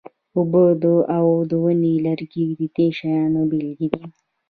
اوبه او د ونې لرګي د دې شیانو بیلګې دي.